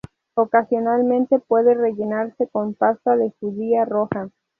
Ocasionalmente puede rellenarse con pasta de judía roja.